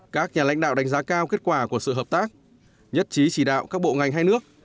các nhà lãnh đạo đánh giá cao kết quả của sự hợp tác nhất trí chỉ đạo các bộ ngành hai nước